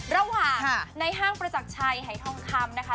ระหว่างในห้างประจักรชัยหายทองคำนะคะ